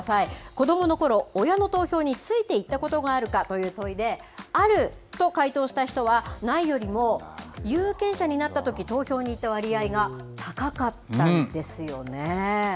子どものころ、親の投票についていったことがあるかという問いで、あると回答した人は、ないよりも有権者になったとき、投票に行った割合が高かったんですよね。